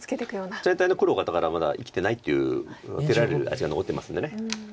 全体の黒がだからまだ生きてないっていう受けられる味が残ってますんで。